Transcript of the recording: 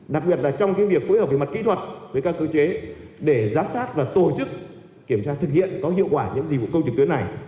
đặc biệt là trong việc phối hợp về mặt kỹ thuật với các cơ chế để giám sát và tổ chức kiểm tra thực hiện có hiệu quả những dịch vụ công trực tuyến này